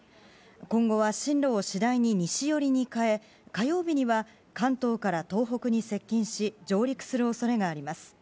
今後は、進路を次第に西寄りに変え火曜日には関東から東北に接近し上陸する恐れがあります。